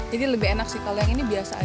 jadi lebih enak sih kalau yang ini biasa aja